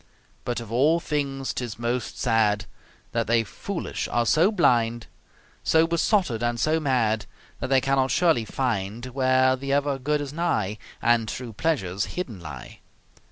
But of all things 'tis most sad That they foolish are so blind, So besotted and so mad, That they cannot surely find Where the ever good is nigh And true pleasures hidden lie.